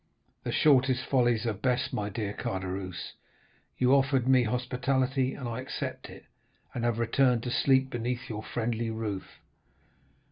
The shortest follies are best, my dear Caderousse. You offered me hospitality, and I accept it, and have returned to sleep beneath your friendly roof.